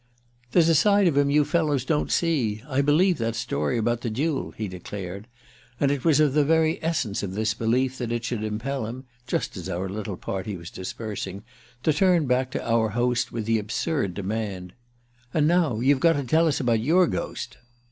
"There's a side of him you fellows don't see. I believe that story about the duel!" he declared; and it was of the very essence of this belief that it should impel him just as our little party was dispersing to turn back to our host with the absurd demand: "And now you've got to tell us about your ghost!"